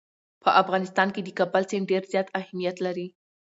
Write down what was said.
په افغانستان کې د کابل سیند ډېر زیات اهمیت لري.